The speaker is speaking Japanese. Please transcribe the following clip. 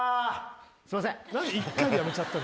すいません。